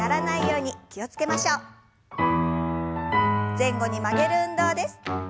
前後に曲げる運動です。